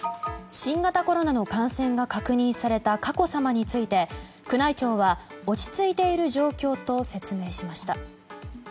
新型コロナの感染が確認された佳子さまについて宮内庁は落ち着いている状況と説明しました。